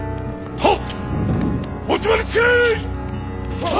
はっ。